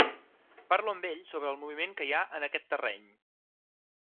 Parlo amb ell sobre el moviment que hi ha en aquest terreny.